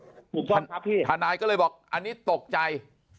ถูกต้องครับพี่ทนายก็เลยบอกอันนี้ตกใจ